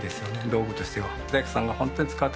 道具としてはああ